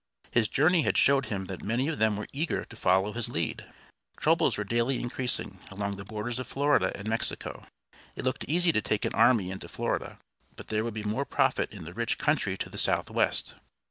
His journey had showed him that many of them were eager to follow his lead. Troubles were daily increasing along the borders of Florida and Mexico. It looked easy to take an army into Florida, but there would be more profit in the rich country to the southwest.